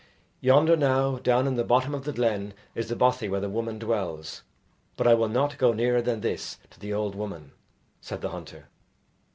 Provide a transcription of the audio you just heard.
"Yonder, now, down in the bottom of the glen is the bothy where the woman dwells, but I will not go nearer than this to the old woman," said the hunter.